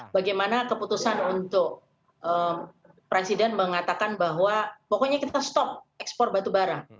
bagaimana keputusan untuk presiden mengatakan bahwa pokoknya kita stop ekspor batubara